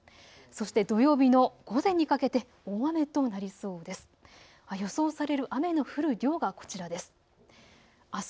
そして土曜日の午前にかけて大雨となりそうです。